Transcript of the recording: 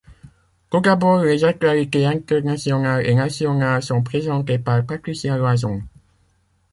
Tout d'abord, les actualités internationales et nationales sont présentées par Patricia Loison.